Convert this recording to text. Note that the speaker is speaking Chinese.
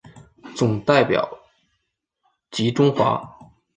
总代表吉钟华。